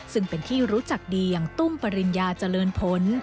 ซึ่งเป็นที่รู้จักดีอย่างตุ้มปริญญาเจริญผล